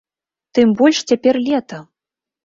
Тым больш, цяпер лета!